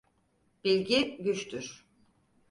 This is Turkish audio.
Bilgi güçtür.